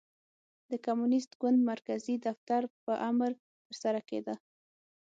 د کمونېست ګوند مرکزي دفتر په امر ترسره کېده.